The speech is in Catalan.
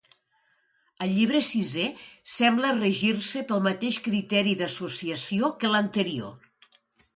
El llibre sisè sembla regir-se pel mateix criteri d'associació que l'anterior.